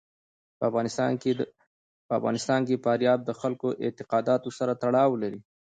په افغانستان کې فاریاب د خلکو د اعتقاداتو سره تړاو لري.